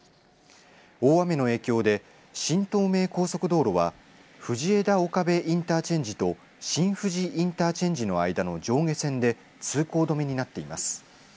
大雨の影響で新東名高速道路は藤枝岡部インターチェンジと新富士インターチェンジの間の上下線で通行止めになっています。